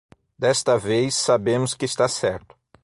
Desta vez, sabemos que está certo.